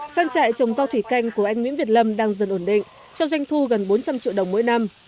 trang trại trồng rau thủy canh của anh nguyễn việt lâm đang dần ổn định cho doanh thu gần bốn trăm linh triệu đồng mỗi năm